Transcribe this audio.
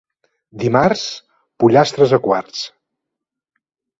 Dimarts, pollastres a quarts.